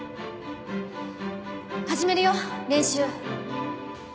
始めるよ練習。